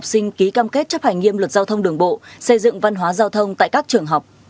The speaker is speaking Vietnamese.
xây dựng văn hóa giao thông tại các trường học